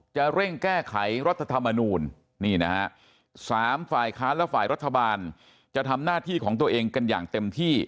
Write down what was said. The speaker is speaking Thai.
เร่งแก้ไขรัฐธรรมนูลนี่นะฮะสามฝ่ายค้านและฝ่ายรัฐบาลจะทำหน้าที่ของตัวเองกันอย่างเต็มที่